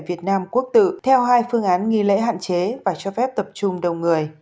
việt nam quốc tử theo hai phương án nghi lễ hạn chế và cho phép tập trung đông người